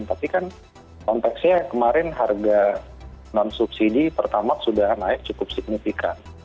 tapi kan konteksnya kemarin harga non subsidi pertama sudah naik cukup signifikan